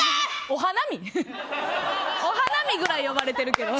お花見ぐらい呼ばれてるけど。